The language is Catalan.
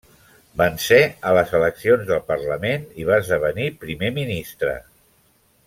Vencé a les eleccions del Parlament i va esdevenir primer ministre.